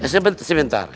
eh sebentar sebentar